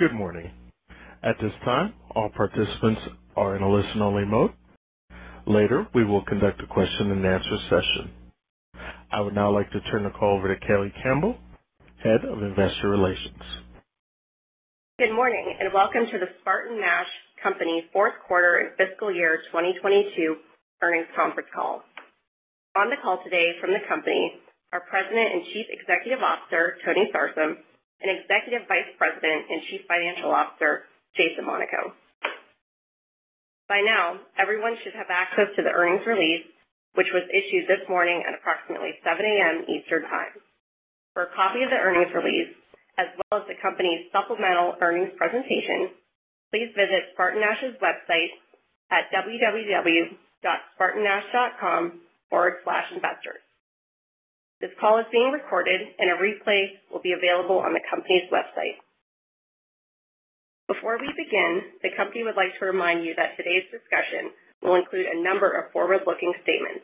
Good morning. At this time, all participants are in a listen-only mode. Later, we will conduct a Q&A session. I would now like to turn the call over to Kayleigh Campbell, Head of Investor Relations. Good morning, and welcome to the SpartanNash Company Q4 and fiscal year 2022 earnings conference call. On the call today from the company are President and Chief Executive Officer, Tony Sarsam, and Executive Vice President and Chief Financial Officer, Jason Monaco. By now, everyone should have access to the earnings release, which was issued this morning at approximately 7:00 A.M. Eastern Time. For a copy of the earnings release, as well as the company's supplemental earnings presentation, please visit SpartanNash's website at www.spartannash.com/investors. This call is being recorded and a replay will be available on the company's website. Before we begin, the company would like to remind you that today's discussion will include a number of forward-looking statements.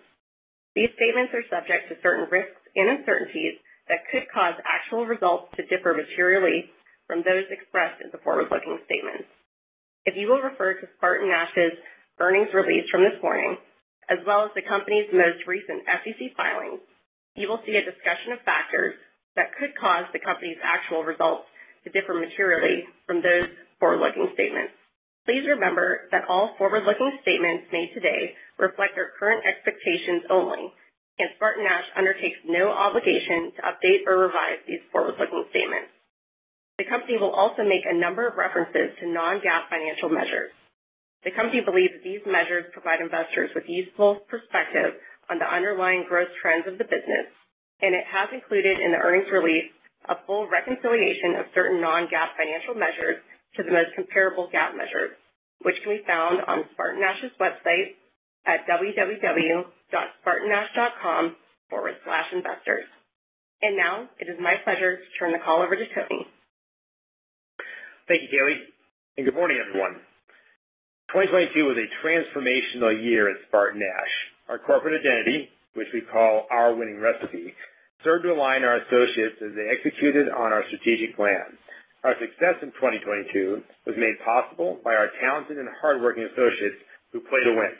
These statements are subject to certain risks and uncertainties that could cause actual results to differ materially from those expressed in the forward-looking statements. If you will refer to SpartanNash's earnings release from this morning, as well as the company's most recent SEC filings, you will see a discussion of factors that could cause the company's actual results to differ materially from those forward-looking statements. Please remember that all forward-looking statements made today reflect our current expectations only. SpartanNash undertakes no obligation to update or revise these forward-looking statements. The company will also make a number of references to non-GAAP financial measures. The company believes these measures provide investors with useful perspective on the underlying growth trends of the business. It has included in the earnings release a full reconciliation of certain non-GAAP financial measures to the most comparable GAAP measures, which can be found on SpartanNash's website at www.spartannash.com/investors. Now it is my pleasure to turn the call over to Tony. Thank you, Kayleigh. Good morning, everyone. 2022 was a transformational year at SpartanNash. Our corporate identity, which we call Our Winning Recipe, served to align our associates as they executed on our strategic plans. Our success in 2022 was made possible by our talented and hardworking associates who play to win.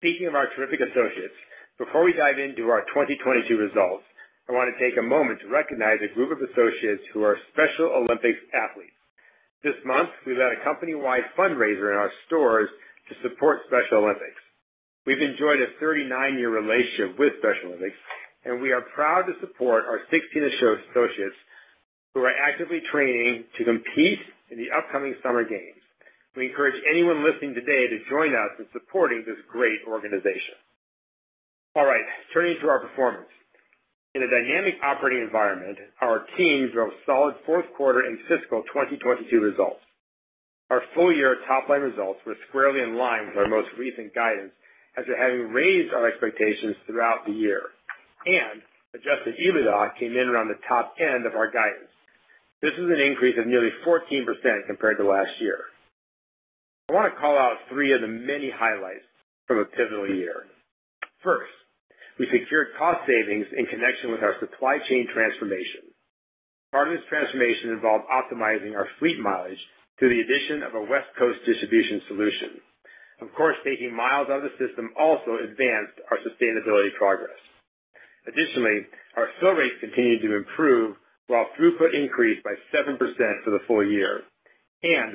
Speaking of our terrific associates, before we dive into our 2022 results, I wanna take a moment to recognize a group of associates who are Special Olympics athletes. This month, we've had a company-wide fundraiser in our stores to support Special Olympics. We've enjoyed a 39-year relationship with Special Olympics. We are proud to support our 16 or so associates who are actively training to compete in the upcoming summer games. We encourage anyone listening today to join us in supporting this great organization. All right, turning to our performance. In a dynamic operating environment, our team drove solid Q4 and fiscal 2022 results. Our full-year top line results were squarely in line with our most recent guidance as to having raised our expectations throughout the year. Adjusted EBITDA came in around the top end of our guidance. This is an increase of nearly 14% compared to last year. I wanna call out three of the many highlights from a pivotal year. First, we secured cost savings in connection with our supply chain transformation. Part of this transformation involved optimizing our fleet mileage through the addition of a West Coast distribution solution. Of course, taking miles out of the system also advanced our sustainability progress. Additionally, our fill rates continued to improve while throughput increased by 7% for the full year.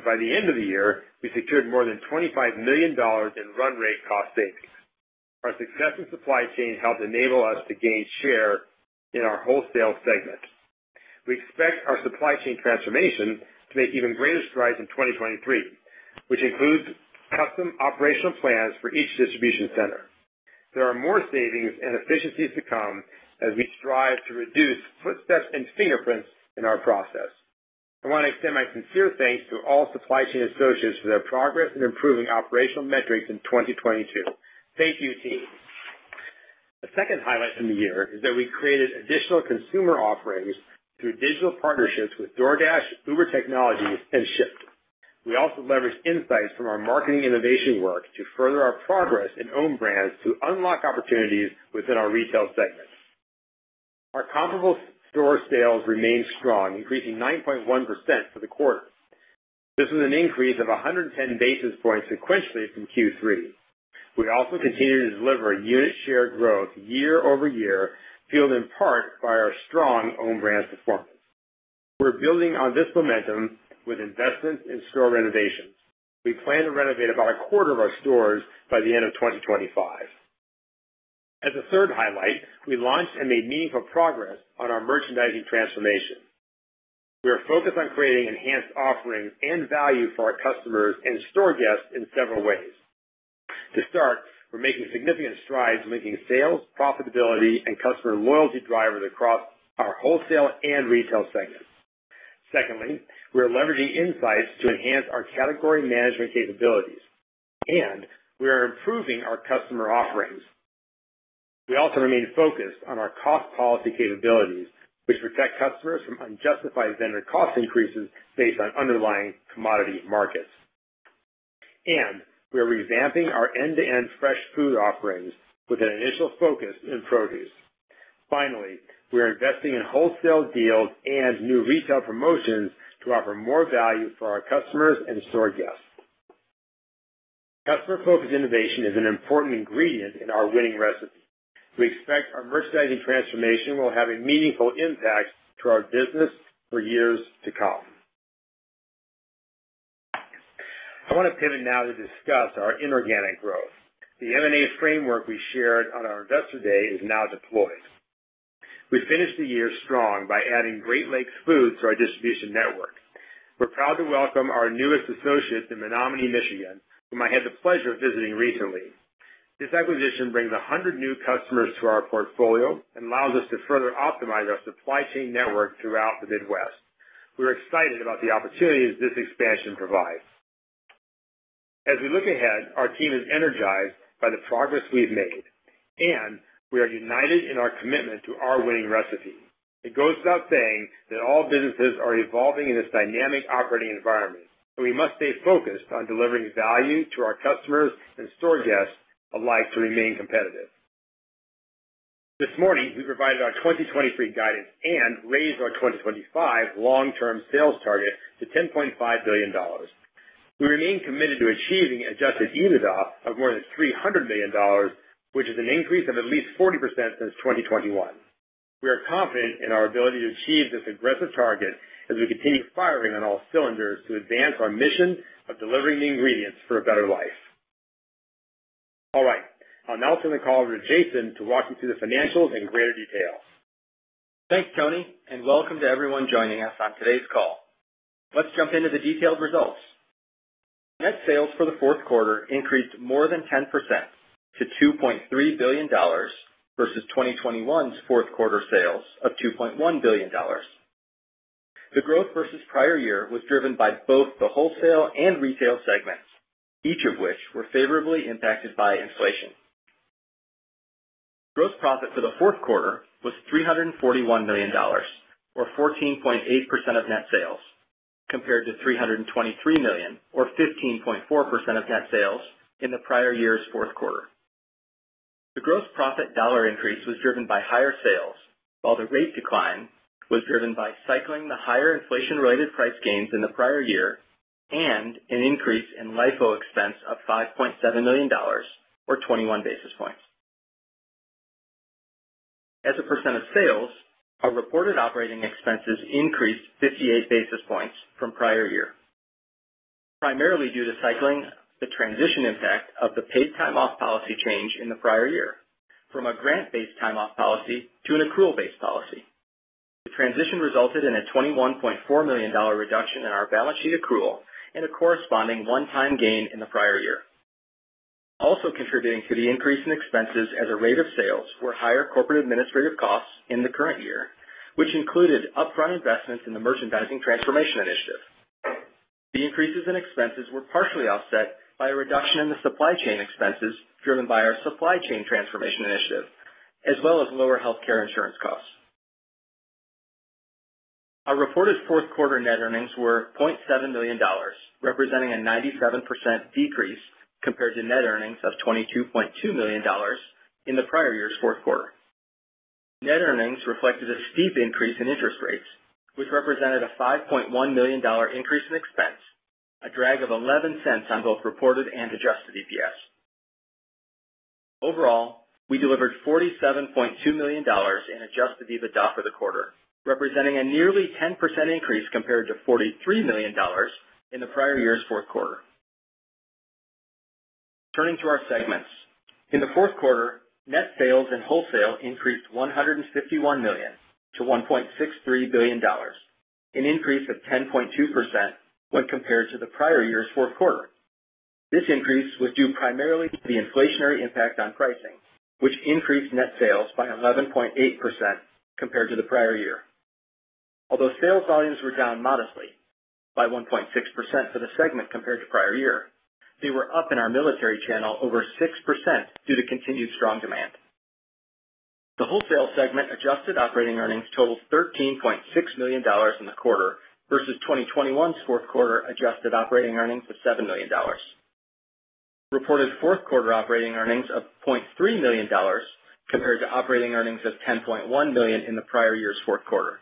By the end of the year, we secured more than $25 million in run rate cost savings. Our success in supply chain helped enable us to gain share in our wholesale segment. We expect our supply chain transformation to make even greater strides in 2023, which includes custom operational plans for each distribution center. There are more savings and efficiencies to come as we strive to reduce footsteps and fingerprints in our process. I wanna extend my sincere thanks to all supply chain associates for their progress in improving operational metrics in 2022. Thank you, team. The second highlight from the year is that we created additional consumer offerings through digital partnerships with DoorDash, Uber Technologies, and Shipt. We also leveraged insights from our marketing innovation work to further our progress in OwnBrands to unlock opportunities within our retail segment. Our comparable store sales remained strong, increasing 9.1% for the quarter. This is an increase of 110 basis points sequentially from Q3. We also continued to deliver unit share growth year-over-year, fueled in part by our strong OwnBrands performance. We're building on this momentum with investments in store renovations. We plan to renovate about a quarter of our stores by the end of 2025. As a third highlight, we launched and made meaningful progress on our merchandising transformation. We are focused on creating enhanced offerings and value for our customers and store guests in several ways. To start, we're making significant strides making sales, profitability, and customer loyalty drivers across our wholesale and retail segments. Secondly, we are leveraging insights to enhance our category management capabilities, and we are improving our customer offerings. We also remain focused on our cost policy capabilities, which protect customers from unjustified vendor cost increases based on underlying commodity markets. We are revamping our end-to-end fresh food offerings with an initial focus in produce. Finally, we are investing in wholesale deals and new retail promotions to offer more value for our customers and store guests. Customer-focused innovation is an important ingredient in Our Winning Recipe. We expect our merchandising transformation will have a meaningful impact to our business for years to come. I wanna pivot now to discuss our inorganic growth. The M&A framework we shared on our investor day is now deployed. We finished the year strong by adding Great Lakes Foods to our distribution network. We're proud to welcome our newest associates in Menominee, Michigan, whom I had the pleasure of visiting recently. This acquisition brings 100 new customers to our portfolio and allows us to further optimize our supply chain network throughout the Midwest. We're excited about the opportunities this expansion provides. As we look ahead, our team is energized by the progress we've made, and we are united in our commitment to Our Winning Recipe. It goes without saying that all businesses are evolving in this dynamic operating environment, so we must stay focused on delivering value to our customers and store guests alike to remain competitive. This morning, we provided our 2023 guidance and raised our 2025 long-term sales target to $10.5 billion. We remain committed to achieving Adjusted EBITDA of more than $300 million, which is an increase of at least 40% since 2021. We are confident in our ability to achieve this aggressive target as we continue firing on all cylinders to advance our mission of delivering the ingredients for a better life. All right, I'll now turn the call over to Jason to walk you through the financials in greater detail. Thanks, Tony. Welcome to everyone joining us on today's call. Let's jump into the detailed results. Net sales for the Q4 increased more than 10% to $2.3 billion versus 2021's Q4 sales of $2.1 billion. The growth versus prior year was driven by both the wholesale and retail segments, each of which were favorably impacted by inflation. Gross profit for the Q4 was $341 million or 14.8% of net sales, compared to $323 million or 15.4% of net sales in the prior year's Q4. The gross profit dollar increase was driven by higher sales, while the rate decline was driven by cycling the higher inflation-related price gains in the prior year and an increase in LIFO expense of $5.7 million or 21 basis points. As a percent of sales, our reported operating expenses increased 58 basis points from prior year, primarily due to cycling the transition impact of the paid time off policy change in the prior year from a grant-based time off policy to an accrual-based policy. The transition resulted in a $21.4 million reduction in our balance sheet accrual and a corresponding one-time gain in the prior year. Also contributing to the increase in expenses as a rate of sales were higher corporate administrative costs in the current year, which included upfront investments in the merchandising transformation initiative. The increases in expenses were partially offset by a reduction in the supply chain expenses driven by our supply chain transformation initiative, as well as lower healthcare insurance costs. Our reported Q4 net earnings were $0.7 million, representing a 97% decrease compared to net earnings of $22.2 million in the prior year's Q4. Net earnings reflected a steep increase in interest rates, which represented a $5.1 million increase in expense, a drag of $0.11 on both reported and Adjusted EPS. Overall, we delivered $47.2 million in Adjusted EBITDA for the quarter, representing a nearly 10% increase compared to $43 million in the prior year's Q4. Turning to our segments. In the Q4, net sales and wholesale increased $151 million-$1.63 billion, an increase of 10.2% when compared to the prior year's Q4. This increase was due primarily to the inflationary impact on pricing, which increased net sales by 11.8% compared to the prior year. Although sales volumes were down modestly by 1.6% for the segment compared to prior year, they were up in our military channel over 6% due to continued strong demand. The wholesale segment adjusted operating earnings totaled $13.6 million in the quarter versus 2021's Q4 adjusted operating earnings of $7 million. Reported Q4 operating earnings of $0.3 million compared to operating earnings of $10.1 million in the prior year's Q4.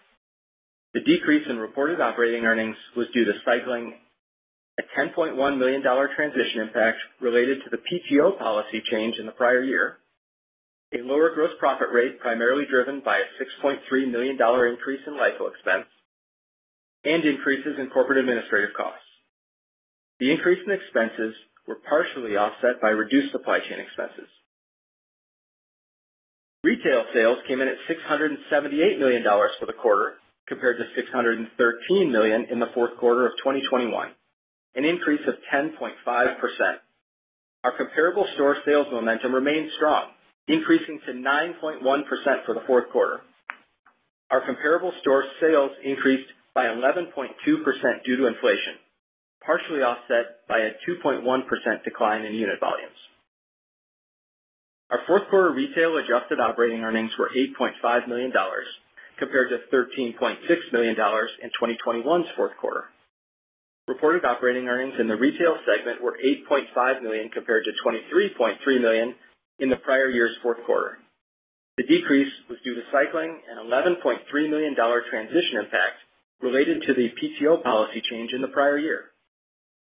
The decrease in reported operating earnings was due to cycling a $10.1 million transition impact related to the PTO policy change in the prior year, a lower gross profit rate primarily driven by a $6.3 million increase in LIFO expense, and increases in corporate administrative costs. The increase in expenses were partially offset by reduced supply chain expenses. Retail sales came in at $678 million for the quarter, compared to $613 million in the Q4 of 2021, an increase of 10.5%. Our comparable store sales momentum remained strong, increasing to 9.1% for the Q4. Our comparable store sales increased by 11.2% due to inflation, partially offset by a 2.1% decline in unit volumes. Q4 retail adjusted operating earnings were $8.5 million, compared to $13.6 million in 2021's Q4. Reported operating earnings in the retail segment were $8.5 million compared to $23.3 million in the prior year's Q4. The decrease was due to cycling an $11.3 million transition impact related to the PTO policy change in the prior year,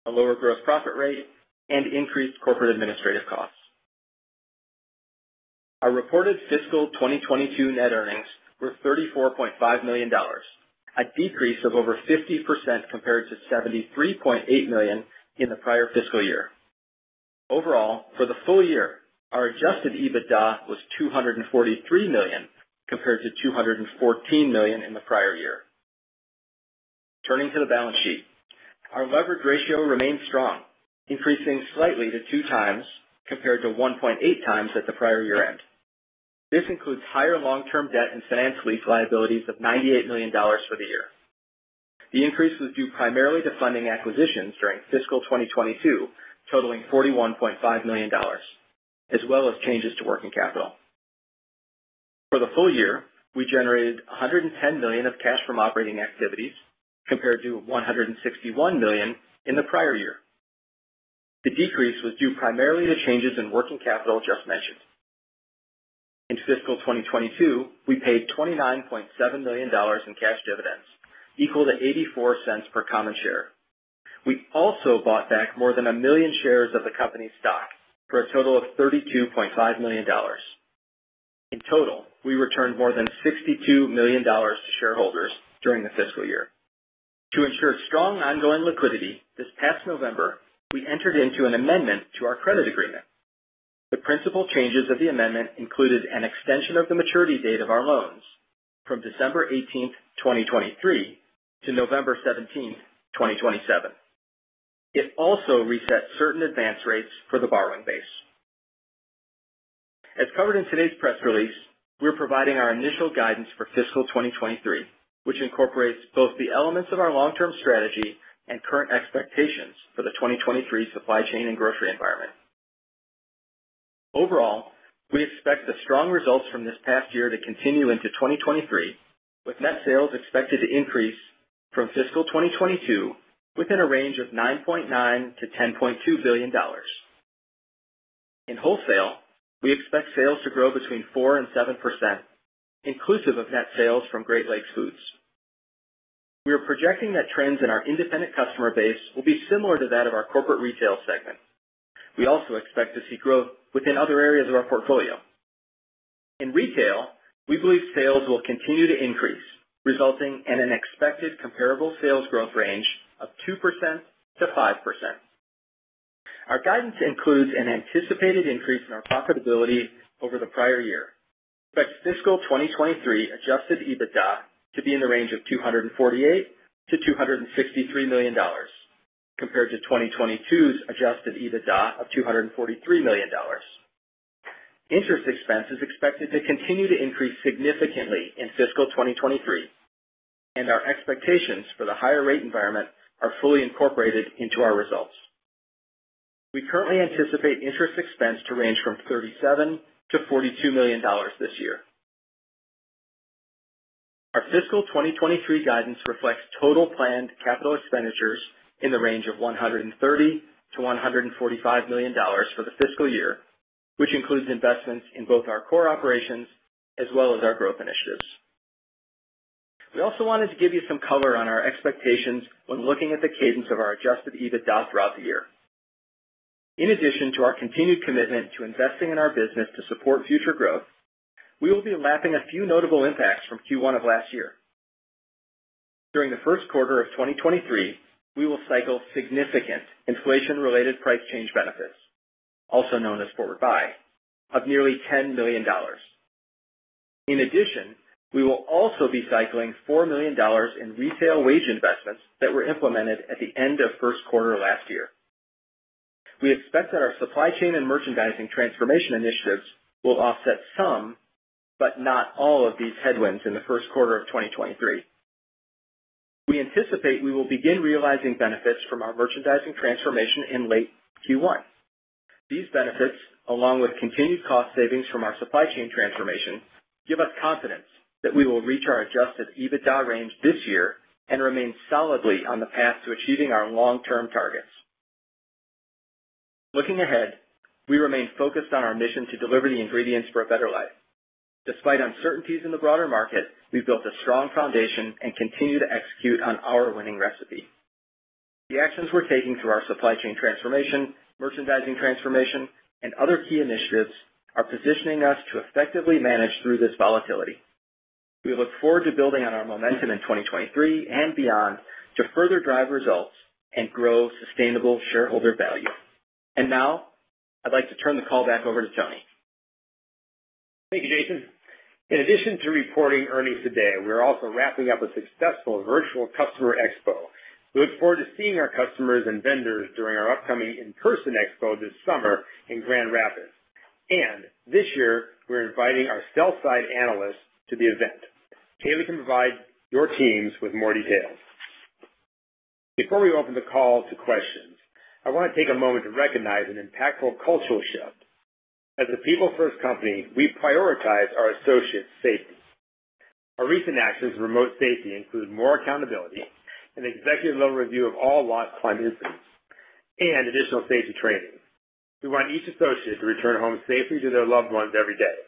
a lower gross profit rate, and increased corporate administrative costs. Our reported fiscal 2022 net earnings were $34.5 million, a decrease of over 50% compared to $73.8 million in the prior fiscal year. Overall, for the full year, our Adjusted EBITDA was $243 million, compared to $214 million in the prior year. Turning to the balance sheet, our leverage ratio remains strong, increasing slightly to 2 times compared to 1.8 times at the prior year-end. This includes higher long-term debt and finance lease liabilities of $98 million for the year. The increase was due primarily to funding acquisitions during fiscal 2022, totaling $41.5 million, as well as changes to working capital. For the full year, we generated $110 million of cash from operating activities, compared to $161 million in the prior year. The decrease was due primarily to changes in working capital just mentioned. In fiscal 2022, we paid $29.7 million in cash dividends, equal to $0.84 per common share. We also bought back more than 1 million shares of the company's stock for a total of $32.5 million. In total, we returned more than $62 million to shareholders during the fiscal year. To ensure strong ongoing liquidity, this past November, we entered into an amendment to our credit agreement. The principal changes of the amendment included an extension of the maturity date of our loans from December 18, 2023 to November 17, 2027. It also reset certain advance rates for the borrowing base. As covered in today's press release, we're providing our initial guidance for fiscal 2023, which incorporates both the elements of our long-term strategy and current expectations for the 2023 supply chain and grocery environment. Overall, we expect the strong results from this past year to continue into 2023, with net sales expected to increase from fiscal 2022 within a range of $9.9 billion-$10.2 billion. In wholesale, we expect sales to grow between 4% and 7%, inclusive of net sales from Great Lakes Foods. We are projecting that trends in our independent customer base will be similar to that of our corporate retail segment. We also expect to see growth within other areas of our portfolio. In retail, we believe sales will continue to increase, resulting in an expected comparable sales growth range of 2%-5%. Our guidance includes an anticipated increase in our profitability over the prior year. Expect fiscal 2023 Adjusted EBITDA to be in the range of $248 million-$263 million compared to 2022's Adjusted EBITDA of $243 million. Interest expense is expected to continue to increase significantly in fiscal 2023. Our expectations for the higher rate environment are fully incorporated into our results. We currently anticipate interest expense to range from $37 million-$42 million this year. Our fiscal 2023 guidance reflects total planned CapEx in the range of $130 million-$145 million for the fiscal year, which includes investments in both our core operations as well as our growth initiatives. We also wanted to give you some color on our expectations when looking at the cadence of our Adjusted EBITDA throughout the year. In addition to our continued commitment to investing in our business to support future growth, we will be lapping a few notable impacts from Q1 of last year. During the Q1 of 2023, we will cycle significant inflation-related price change benefits, also known as forward buy, of nearly $10 million. In addition, we will also be cycling $4 million in retail wage investments that were implemented at the end of Q1 last year. We expect that our supply chain and merchandising transformation initiatives will offset some, but not all, of these headwinds in the Q1 of 2023. We anticipate we will begin realizing benefits from our merchandising transformation in late Q1. These benefits, along with continued cost savings from our supply chain transformation, give us confidence that we will reach our Adjusted EBITDA range this year and remain solidly on the path to achieving our long-term targets. Looking ahead, we remain focused on our mission to deliver the ingredients for a better life. Despite uncertainties in the broader market, we've built a strong foundation and continue to execute on Our Winning Recipe. The actions we're taking through our supply chain transformation, merchandising transformation, and other key initiatives are positioning us to effectively manage through this volatility. We look forward to building on our momentum in 2023 and beyond to further drive results and grow sustainable shareholder value. Now, I'd like to turn the call back over to Tony. Thank you, Jason. In addition to reporting earnings today, we're also wrapping up a successful virtual customer expo. We look forward to seeing our customers and vendors during our upcoming in-person expo this summer in Grand Rapids. This year, we're inviting our sell side analysts to the event. Kayleigh can provide your teams with more details. Before we open the call to questions, I wanna take a moment to recognize an impactful cultural shift. As a people first company, we prioritize our associates' safety. Our recent actions for remote safety include more accountability and executive level review of all lost time incidents and additional safety training. We want each associate to return home safely to their loved ones every day.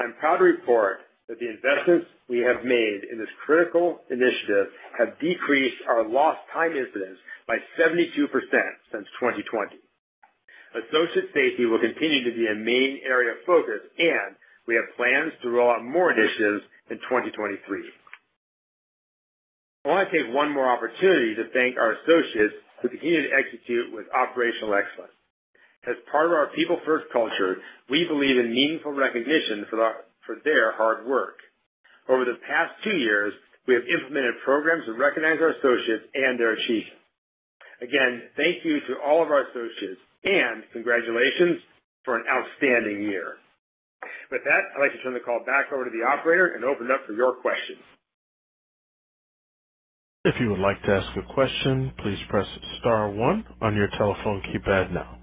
I'm proud to report that the investments we have made in this critical initiative have decreased our lost time incidents by 72% since 2020. Associate safety will continue to be a main area of focus, and we have plans to roll out more initiatives in 2023. I wanna take one more opportunity to thank our associates who continue to execute with operational excellence. As part of our people first culture, we believe in meaningful recognition for their hard work. Over the past two years, we have implemented programs that recognize our associates and their achievements. Again, thank you to all of our associates, and congratulations for an outstanding year. With that, I'd like to turn the call back over to the operator and open up for your questions. If you would like to ask a question, please press star one on your telephone keypad now.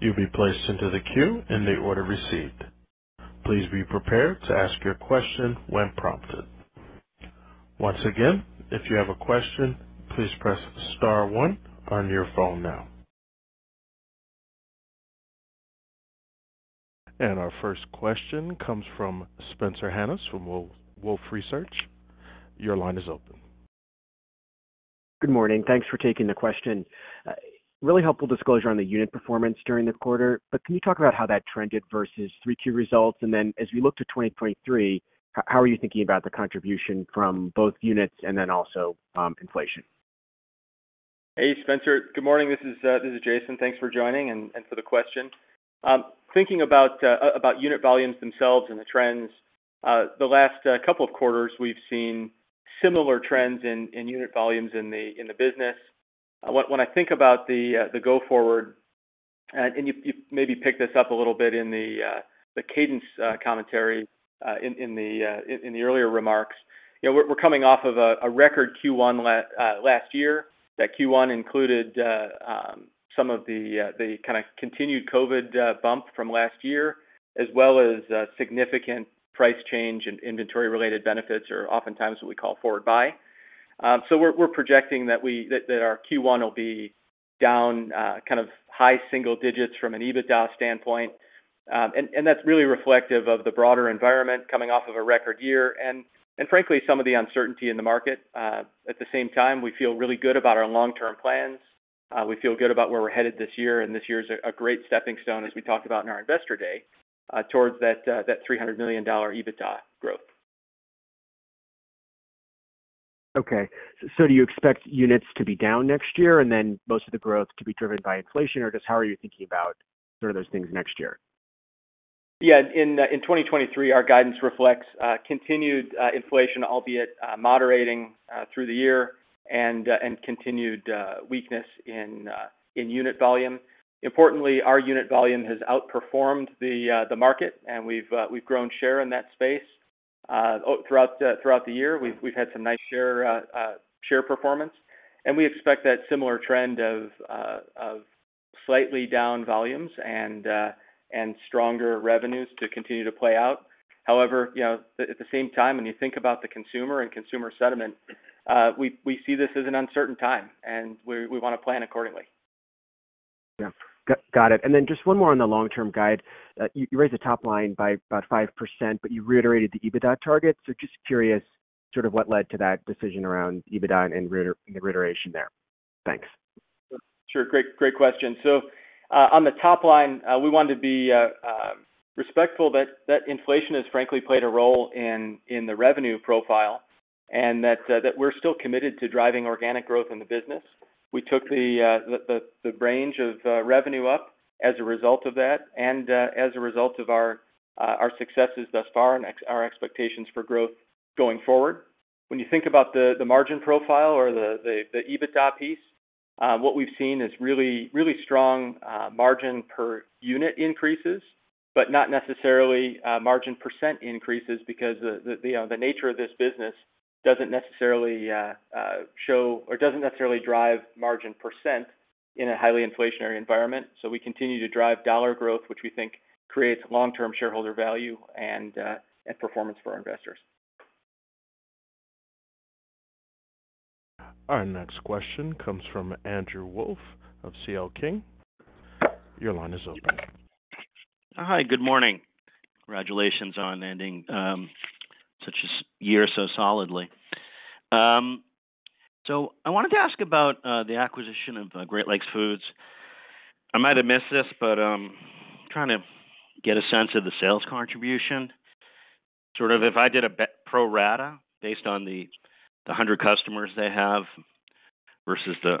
You'll be placed into the queue in the order received. Please be prepared to ask your question when prompted. Once again, if you have a question, please press star one on your phone now. Our first question comes from Spencer Hanus from Wolfe Research. Your line is open. Good morning. Thanks for taking the question. Really helpful disclosure on the unit performance during the quarter, but can you talk about how that trended versus three key results? As we look to 2023, how are you thinking about the contribution from both units and then also, inflation? Hey, Spencer. Good morning. This is Jason. Thanks for joining and for the question. Thinking about unit volumes themselves and the trends, the last couple of quarters, we've seen similar trends in unit volumes in the business. When I think about the go forward, and you maybe picked this up a little bit in the cadence commentary in the earlier remarks. You know, we're coming off of a record Q1 last year. That Q1 included some of the kind of continued COVID bump from last year, as well as significant price change and inventory related benefits or oftentimes what we call forward buy. We're projecting that our Q1 will be down, kind of high single digits from an EBITDA standpoint. That's really reflective of the broader environment coming off of a record year and frankly some of the uncertainty in the market. At the same time, we feel really good about our long-term plans. We feel good about where we're headed this year, and this year is a great stepping stone, as we talked about in our investor day, towards that $300 million EBITDA growth. Okay. Do you expect units to be down next year and then most of the growth to be driven by inflation? Or just how are you thinking about sort of those things next year? Yeah. In 2023, our guidance reflects continued inflation, albeit moderating through the year and continued weakness in unit volume. Importantly, our unit volume has outperformed the market, and we've grown share in that space throughout the throughout the year. We've had some nice share share performance, and we expect that similar trend of slightly down volumes and stronger revenues to continue to play out. You know, at the same time, when you think about the consumer and consumer sentiment, we see this as an uncertain time, and we wanna plan accordingly. Yeah. got it. Just one more on the long-term guide. You raised the top line by about 5%, but you reiterated the EBITDA target. Just curious sort of what led to that decision around EBITDA and the reiteration there? Thanks. Sure. Great, great question. On the top line, we wanted to be respectful that inflation has frankly played a role in the revenue profile and that we're still committed to driving organic growth in the business. We took the range of revenue up as a result of that and, as a result of our successes thus far and our expectations for growth going forward. When you think about the margin profile or the EBITDA piece, what we've seen is really, really strong, margin per unit increases, but not necessarily, margin % increases because the, you know, the nature of this business doesn't necessarily show or doesn't necessarily drive margin % in a highly inflationary environment. We continue to drive dollar growth, which we think creates long-term shareholder value and performance for our investors. Our next question comes from Andrew Wolf of C.L. King. Your line is open. Hi, good morning. Congratulations on ending such a year so solidly. I wanted to ask about the acquisition of Great Lakes Foods. I might have missed this, but trying to get a sense of the sales contribution, sort of if I did a pro rata based on the 100 customers they have versus the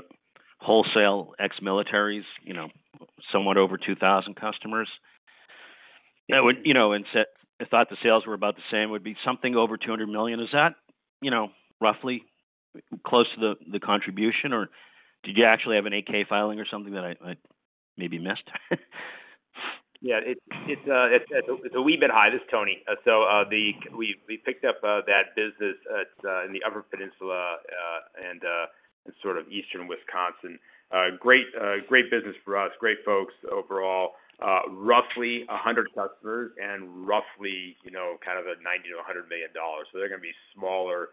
wholesale ex-militaries, you know, somewhat over 2,000 customers. That would, you know, I thought the sales were about the same, would be something over $200 million. Is that, you know, roughly close to the contribution, or did you actually have an 8-K filing or something that I maybe missed? Yeah, it's a wee bit high. This is Tony. We picked up that business in the Upper Peninsula and sort of Eastern Wisconsin. Great business for us. Great folks overall. Roughly 100 customers and roughly, you know, kind of $90 million-$100 million. They're gonna be smaller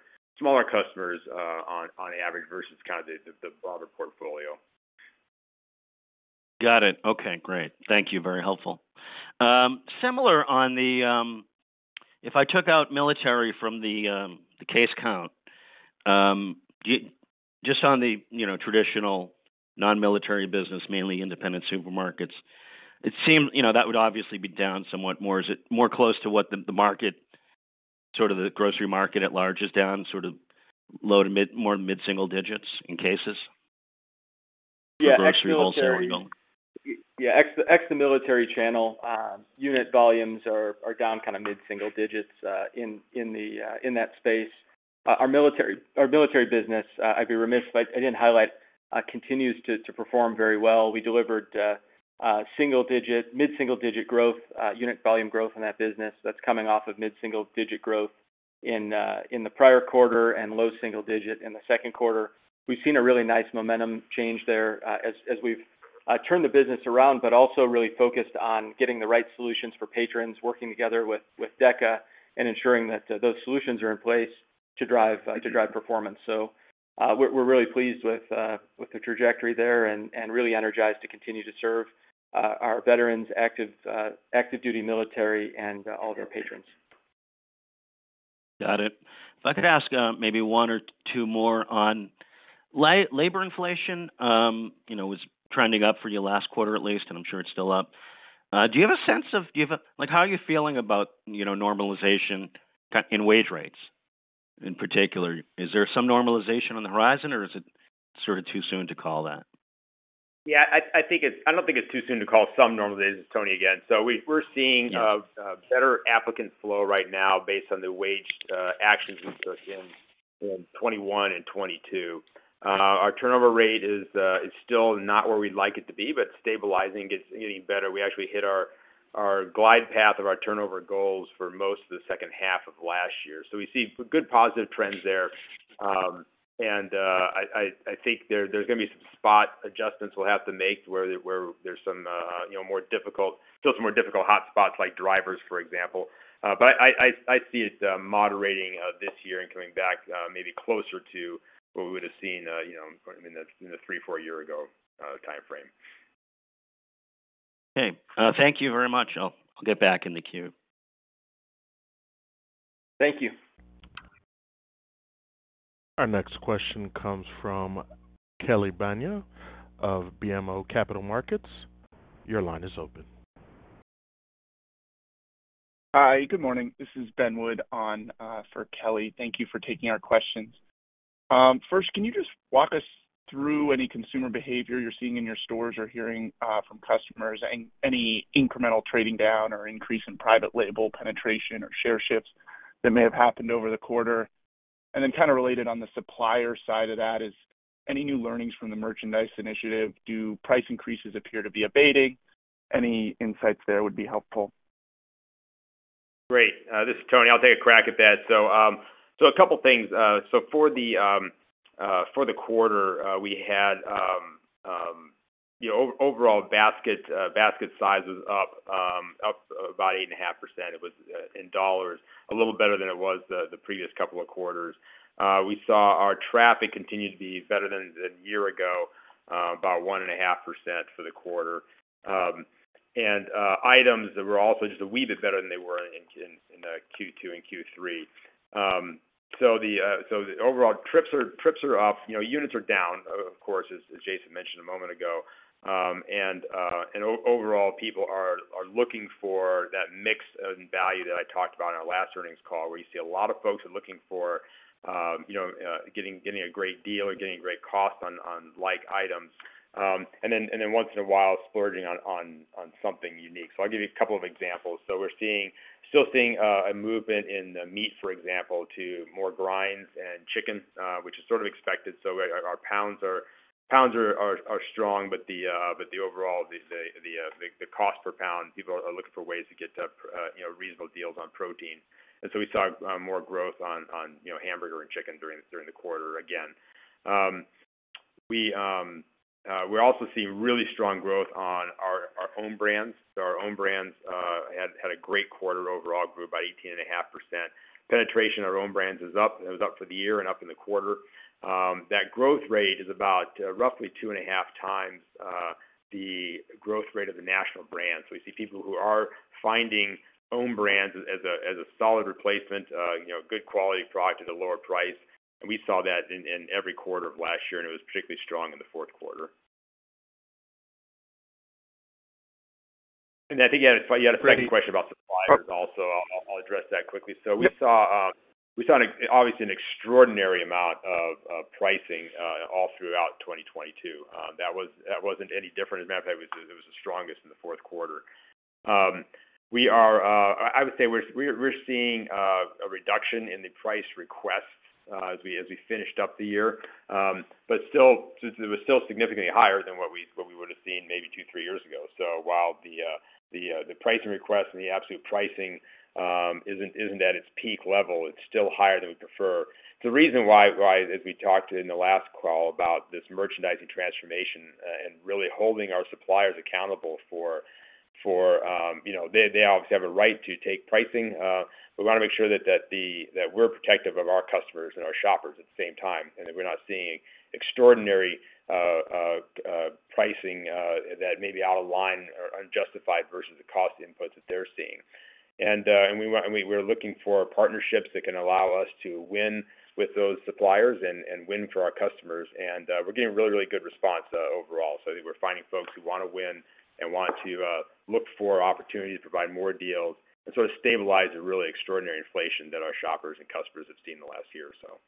customers on average versus kind of the broader portfolio. Got it. Okay, great. Thank you. Very helpful. Similar on the, if I took out military from the case count, just on the, you know, traditional non-military business, mainly independent supermarkets, it seems, you know, that would obviously be down somewhat more. Is it more close to what the market, sort of the grocery market at large is down sort of low to mid, more mid-single digits in cases? Yeah. Ex the military. For grocery volume. Yeah. Ex the military channel, unit volumes are down kind of mid-single digits in that space. Our military business, I'd be remiss if I didn't highlight, continues to perform very well. We delivered mid-single digit growth unit volume growth in that business. That's coming off of mid-single digit growth in the prior quarter and low single digit in the Q2. We've seen a really nice momentum change there, as we've turned the business around, but also really focused on getting the right solutions for patrons, working together with DECA and ensuring that those solutions are in place to drive performance. We're really pleased with the trajectory there and really energized to continue to serve our veterans active duty military and all of our patrons. Got it. If I could ask, maybe one or two more on labor inflation, you know, was trending up for you last quarter at least, and I'm sure it's still up. Like, how are you feeling about, you know, normalization in wage rates in particular? Is there some normalization on the horizon or is it sort of too soon to call that? Yeah, I think I don't think it's too soon to call some normalization. This is Tony again. We're seeing- Yeah. Better applicant flow right now based on the wage actions we took in 2021 and 2022. Our turnover rate is still not where we'd like it to be, but stabilizing, getting better. We actually hit our glide path of our turnover goals for most of the H2 of last year. We see good positive trends there. I think there's gonna be some spot adjustments we'll have to make where there's some, you know, more difficult, still some more difficult hotspots like drivers, for example. I see it moderating this year and coming back maybe closer to what we would've seen, you know, in the three, four year ago timeframe. Okay. Thank you very much. I'll get back in the queue. Thank you. Our next question comes from Kelly Bania of BMO Capital Markets. Your line is open. Hi. Good morning. This is Ben Wood on for Kelly. Thank you for taking our questions. First, can you just walk us through any consumer behavior you're seeing in your stores or hearing from customers and any incremental trading down or increase in private label penetration or share shifts that may have happened over the quarter? Then kind of related on the supplier side of that is, any new learnings from the merchandise initiative, do price increases appear to be abating? Any insights there would be helpful? Great. This is Tony. I'll take a crack at that. A couple things. For the quarter, we had, you know, overall basket sizes up about 8.5%. It was in dollars, a little better than it was the previous couple of quarters. We saw our traffic continue to be better than the year ago, about 1.5% for the quarter. Items that were also just a wee bit better than they were in Q2 and Q3. The overall trips are up. You know, units are down, of course, as Jason mentioned a moment ago. Overall, people are looking for that mix and value that I talked about in our last earnings call, where you see a lot of folks are looking for, you know, getting a great deal or getting great costs on like items. Then once in a while splurging on something unique. I'll give you a couple of examples. We're seeing, still seeing a movement in the meat, for example, to more grinds and chicken, which is sort of expected. Our pounds are strong, but the overall the cost per pound, people are looking for ways to get, you know, reasonable deals on protein. We saw more growth on, you know, hamburger and chicken during the quarter again. We're also seeing really strong growth on our OwnBrands. Our OwnBrands had a great quarter overall, grew by 18.5%. Penetration of our OwnBrands is up. It was up for the year and up in the quarter. That growth rate is about roughly 2.5 times the growth rate of the national brands. We see people who are finding OwnBrands as a solid replacement, you know, good quality product at a lower price. We saw that in every quarter of last year, and it was particularly strong in the Q4. I think you had a second question about suppliers also. I'll address that quickly. We saw obviously an extraordinary amount of pricing all throughout 2022. That wasn't any different. As a matter of fact, it was the strongest in the Q4. We are seeing a reduction in the price requests as we finished up the year. Since it was still significantly higher than what we would have seen maybe two, three years ago. While the pricing request and the absolute pricing isn't at its peak level, it's still higher than we prefer. The reason why, as we talked in the last call about this merchandising transformation and really holding our suppliers accountable for, you know, they obviously have a right to take pricing, we wanna make sure that we're protective of our customers and our shoppers at the same time, and that we're not seeing extraordinary pricing that may be out of line or unjustified versus the cost inputs that they're seeing. We're looking for partnerships that can allow us to win with those suppliers and win for our customers. We're getting really good response overall. I think we're finding folks who wanna win and want to look for opportunities to provide more deals and sort of stabilize the really extraordinary inflation that our shoppers and customers have seen in the last year or so.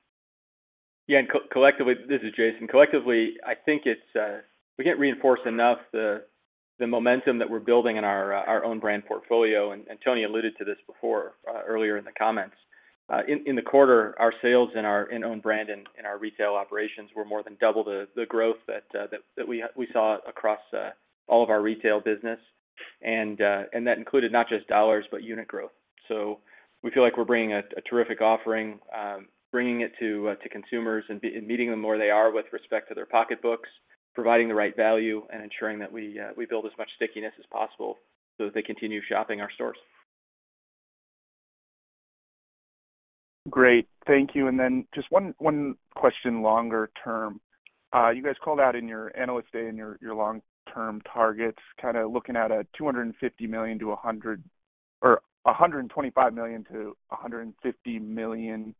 Yeah, This is Jason. Collectively, I think it's, we can't reinforce enough the momentum that we're building in our OwnBrands portfolio, and Tony alluded to this before, earlier in the comments. In the quarter, our sales in our OwnBrands and in our retail operations were more than double the growth that we saw across all of our retail business. That included not just dollars, but unit growth. We feel like we're bringing a terrific offering, bringing it to consumers and meeting them where they are with respect to their pocketbooks, providing the right value and ensuring that we build as much stickiness as possible so that they continue shopping our stores. Great. Thank you. Just one question longer term. You guys called out in your analyst day and your long-term targets, kinda looking at a $125 million-$150 million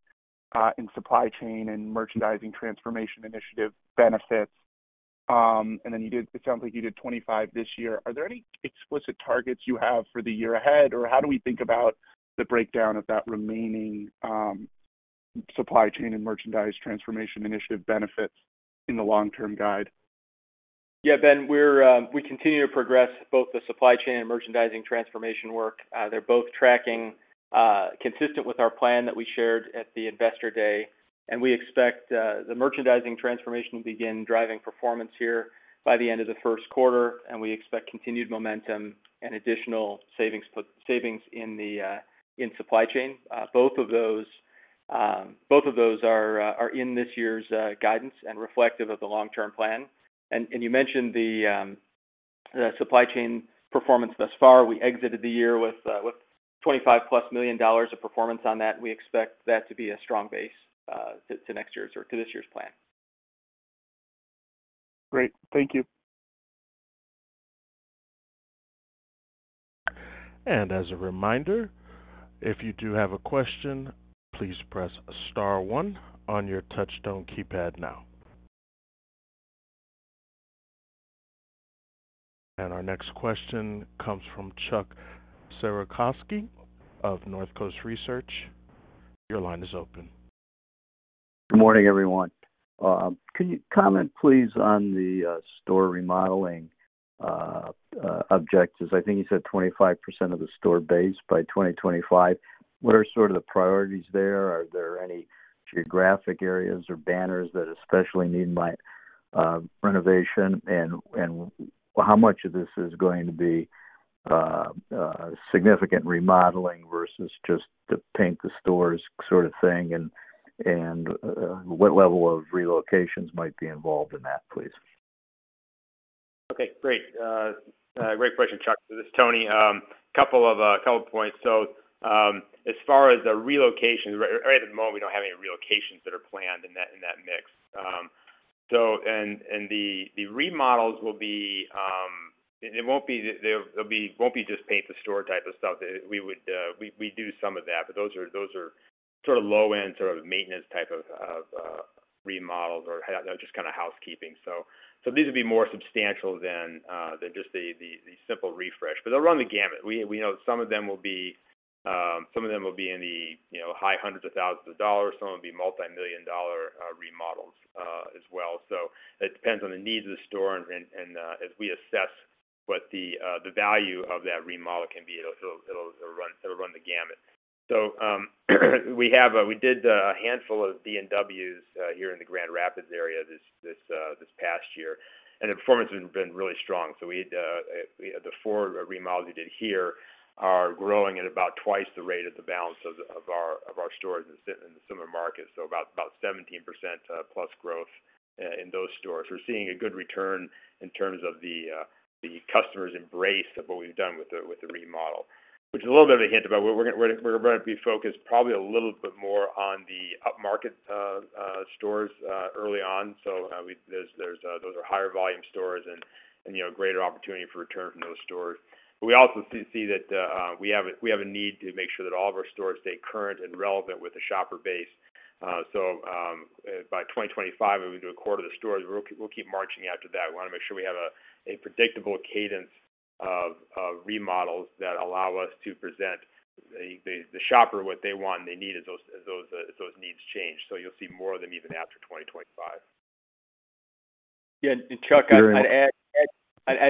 in supply chain and merchandising transformation initiative benefits. It sounds like you did $25 this year. Are there any explicit targets you have for the year ahead, or how do we think about the breakdown of that remaining supply chain and merchandise transformation initiative benefits in the long-term guide? Yeah, Ben, we're, we continue to progress both the supply chain and merchandising transformation work. They're both tracking consistent with our plan that we shared at the Investor Day. We expect the merchandising transformation to begin driving performance here by the end of the Q1, and we expect continued momentum and additional savings in the supply chain. Both of those are in this year's guidance and reflective of the long-term plan. You mentioned the supply chain performance thus far. We exited the year with $25+ million of performance on that. We expect that to be a strong base to next year's or to this year's plan. Great. Thank you. As a reminder, if you do have a question, please press star one on your touchtone keypad now. Our next question comes from Chuck Cerankosky of Northcoast Research. Your line is open. Good morning, everyone. Can you comment, please, on the store remodeling objectives? I think you said 25% of the store base by 2025. What are sort of the priorities there? Are there any geographic areas or banners that especially need my renovation? And how much of this is going to be significant remodeling versus just the paint the stores sort of thing? And what level of relocations might be involved in that, please? Okay, great. Great question, Chuck. This is Tony. A couple of points. As far as the relocations, right at the moment, we don't have any relocations that are planned in that, in that mix. And the remodels will be, it won't be just paint the store type of stuff. We would, we do some of that, but those are sort of low-end, sort of maintenance type of remodels or just kinda housekeeping. These would be more substantial than just the simple refresh. But they'll run the gamut. We know some of them will be, some of them will be in the, you know, high hundreds of thousands of dollars. Some of them will be multimillion-dollar remodels as well. It depends on the needs of the store and, as we assess what the value of that remodel can be, it'll run the gamut. We did a handful of D&Ws here in the Grand Rapids area this past year, and the performance has been really strong. We had the four remodels we did here are growing at about twice the rate of the balance of our stores in the similar markets, about 17% plus growth in those stores. We're seeing a good return in terms of the customers embrace of what we've done with the remodel, which is a little bit of a hint about what we're gonna be focused probably a little bit more on the upmarket stores early on. There's those are higher volume stores and, you know, greater opportunity for return from those stores. We also see that we have a need to make sure that all of our stores stay current and relevant with the shopper base. By 2025, when we do a quarter of the stores, we'll keep marching after that. We wanna make sure we have a predictable cadence of remodels that allow us to present the shopper what they want and they need as those needs change. You'll see more of them even after 2025. Chuck, I'd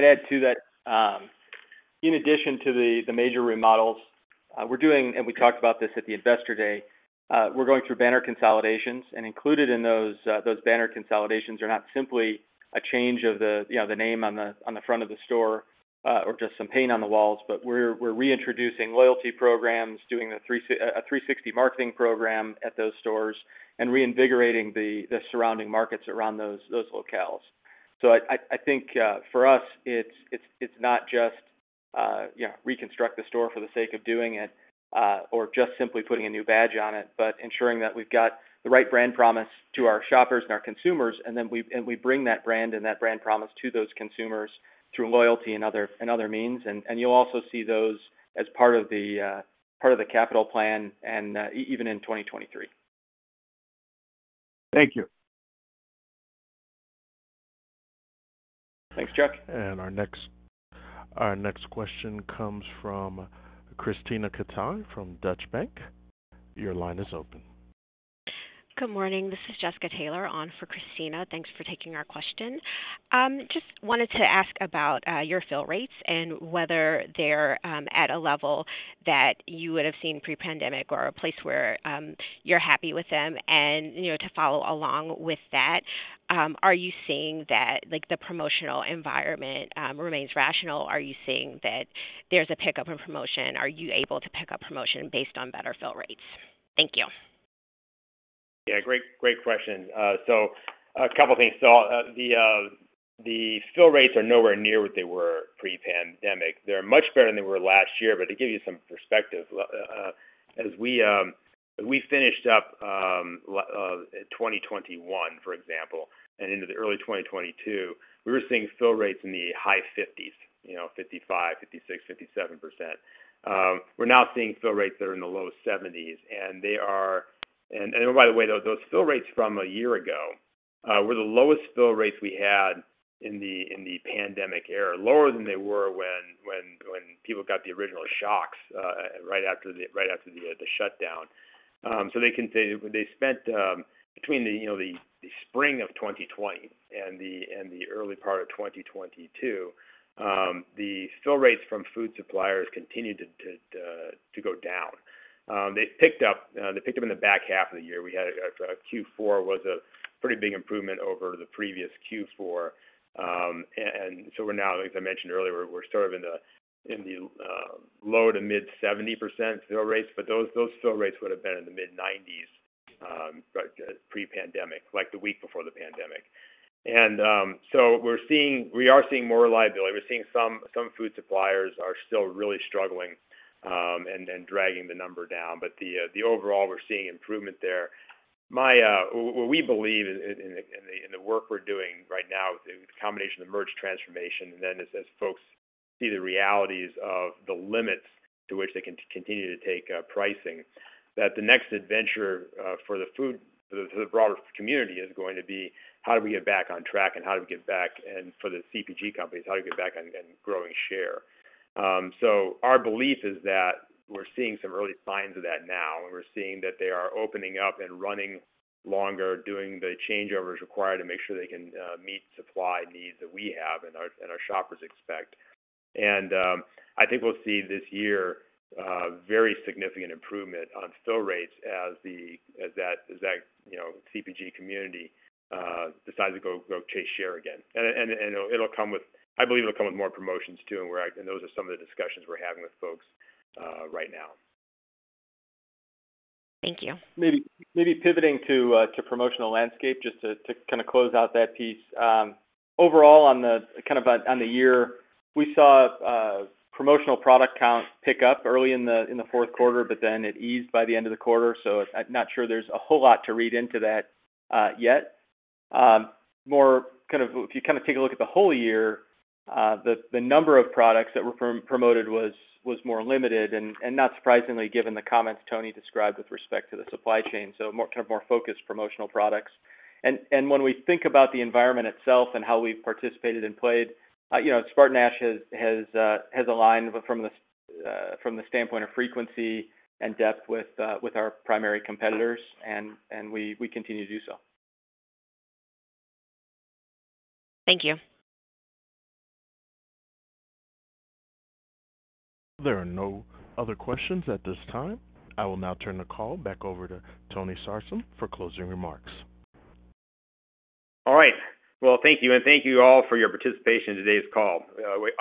add to that, in addition to the major remodels we're doing, and we talked about this at the investor day, we're going through banner consolidations and included in those banner consolidations are not simply a change of the, you know, the name on the front of the store, or just some paint on the walls, but we're reintroducing loyalty programs, doing a 360 marketing program at those stores and reinvigorating the surrounding markets around those locales. I think, for us, it's not just, you know, reconstruct the store for the sake of doing it, or just simply putting a new badge on it, but ensuring that we've got the right brand promise to our shoppers and our consumers, and then we bring that brand and that brand promise to those consumers through loyalty and other means. You'll also see those as part of the capital plan and even in 2023. Thank you. Thanks, Chuck. Our next question comes from Krisztina Katai from Deutsche Bank. Your line is open. Good morning. This is Jessica Taylor on for Krisztina. Thanks for taking our question. Just wanted to ask about your fill rates and whether they're at a level that you would have seen pre-pandemic or a place where you're happy with them? You know, to follow along with that, are you seeing that, like, the promotional environment remains rational? Are you seeing that there's a pickup in promotion? Are you able to pick up promotion based on better fill rates? Thank you. Yeah. Great, great question. A couple things. The fill rates are nowhere near what they were pre-pandemic. They're much better than they were last year. To give you some perspective, as we finished up 2021, for example, and into the early 2022, we were seeing fill rates in the high 50s, you know, 55%, 56%, 57%. We're now seeing fill rates that are in the low 70s, and they are... By the way, those fill rates from a year ago were the lowest fill rates we had in the pandemic era, lower than they were when people got the original shocks right after the shutdown. They can say they spent, between the, you know, the spring of 2020 and the early part of 2022, the fill rates from food suppliers continued to go down. They picked up in the back half of the year. We had a Q4 was a pretty big improvement over the previous Q4. We're now like I mentioned earlier, we're sort of in the low to mid 70% fill rates, but those fill rates would have been in the mid-90s pre-pandemic, like the week before the pandemic. We are seeing more reliability. We're seeing some food suppliers are still really struggling and dragging the number down. The overall we're seeing improvement there. My what we believe in the work we're doing right now with the combination of merge transformation and then as folks see the realities of the limits to which they can continue to take pricing, that the next adventure for the food, for the broader community is going to be how do we get back on track and how do we get back and for the CPG companies, how do we get back on and growing share. Our belief is that we're seeing some early signs of that now and we're seeing that they are opening up and running longer, doing the changeovers required to make sure they can meet supply needs that we have and our, and our shoppers expect. I think we'll see this year, very significant improvement on fill rates as that, you know, CPG community, decides to go chase share again. It'll come with, I believe, it'll come with more promotions too. Those are some of the discussions we're having with folks, right now. Thank you. Maybe pivoting to promotional landscape, just to kind of close out that piece. Overall on the kind of on the year, we saw promotional product count pick up early in the Q4, but then it eased by the end of the quarter. I'm not sure there's a whole lot to read into that yet. More kind of if you kind of take a look at the whole year, the number of products that were promoted was more limited and not surprisingly, given the comments Tony described with respect to the supply chain. More kind of more focused promotional products. When we think about the environment itself and how we've participated and played, you know, SpartanNash has aligned from the standpoint of frequency and depth with our primary competitors and we continue to do so. Thank you. There are no other questions at this time. I will now turn the call back over to Tony Sarsam for closing remarks. All right. Well, thank you, and thank you all for your participation in today's call.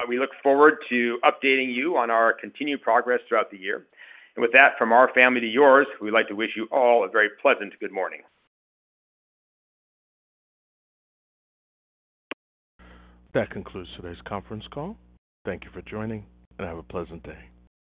We look forward to updating you on our continued progress throughout the year. With that, from our family to yours, we'd like to wish you all a very pleasant good morning. That concludes today's conference call. Thank you for joining, and have a pleasant day.